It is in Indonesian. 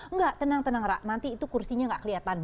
enggak tenang tenang mbak nanti itu kursinya gak keliatan